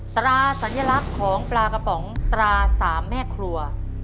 ตราสัญลักษณ์ของปลากระป๋องตรา๓แม่ครัว